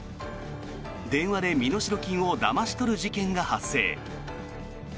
電話で身代金をだまし取る事件が発生。